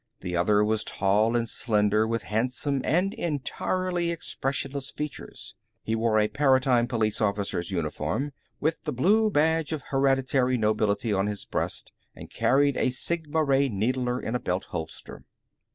The other was tall and slender with handsome and entirely expressionless features; he wore a Paratime Police officer's uniform, with the blue badge of hereditary nobility on his breast, and carried a sigma ray needler in a belt holster.